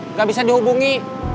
nggak bisa dihubungi